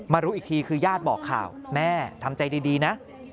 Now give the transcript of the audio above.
รู้อีกทีคือญาติบอกข่าวแม่ทำใจดีนะ